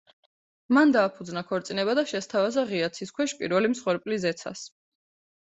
მან დააფუძნა ქორწინება და შესთავაზა ღია ცის ქვეშ პირველი მსხვერპლი ზეცას.